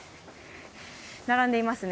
並んでいますね。